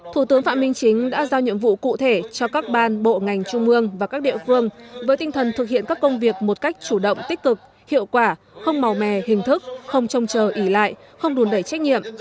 thủ tướng phạm minh chính đã giao nhiệm vụ cụ thể cho các ban bộ ngành trung mương và các địa phương với tinh thần thực hiện các công việc một cách chủ động tích cực hiệu quả không màu mè hình thức không trông chờ ỉ lại không đùn đẩy trách nhiệm